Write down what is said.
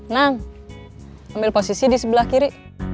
nah ambil posisi di sebelah kiri